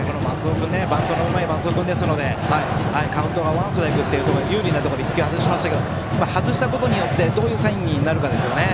バントのうまい松尾君ですからカウントがワンストライクという有利なところで１球外しましたが、外したことでどういうサインになるかですね。